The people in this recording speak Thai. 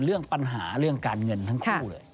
เรื่องปัญหาเรื่องการเงินทั้งคู่เลย